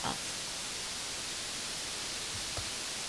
They are collectively known as the "Scottish Ministers".